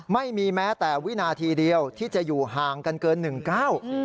ไม่มีแม้แต่วินาทีเดียวที่จะอยู่ห่างกันเกินหนึ่งก้าว